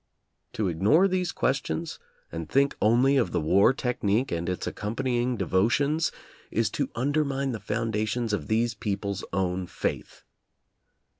To ignore these questions, and think only of the war technique and its accompanying devotions, is to undermine the foundations of these people's own faith.